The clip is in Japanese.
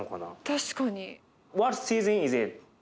確かに。